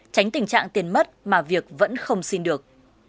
tránh tình trạng tiền mất mà việc vẫn không xin được